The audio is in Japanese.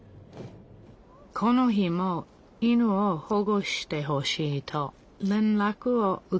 この日も犬を保護してほしいと連らくを受けました。